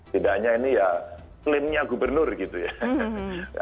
tidak hanya ini ya klaimnya gubernur gitu ya